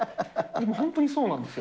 本当にそうなんですよ。